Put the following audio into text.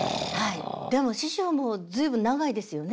でも師匠も随分長いですよね？